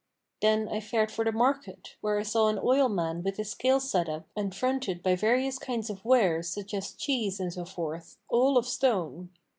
[FN#505] Then I fared for the market, where I saw an oilman with his scales set up and fronted by various kinds of wares such as cheese and so forth, all of stone.